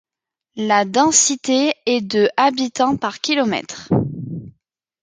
La densité est de habitants par km.